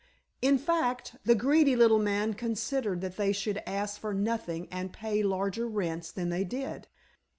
In fact, the greedy little man considered that they should ask for nothing and pay larger rents than they did.